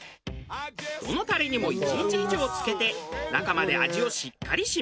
どのタレにも１日以上漬けて中まで味をしっかり染み込ませている。